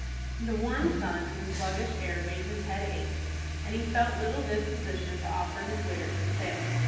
The warm sun and the sluggish air made his head ache, and he felt little disposition to offer his wares for sale.